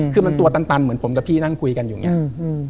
คือมันตัวตันเหมือนผมกับพี่นั่งคุยกันอยู่อย่างนี้